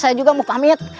saya juga mau pamit